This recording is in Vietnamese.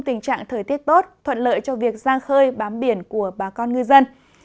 tình trạng thời tiết tốt thuận lợi cho việc giang khơi bám biển của bà con ngư dân